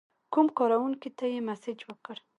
کوم کارکونکي ته یې مسیج وکړ.